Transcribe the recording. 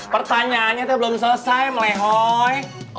pertanyaannya belum selesai melehoi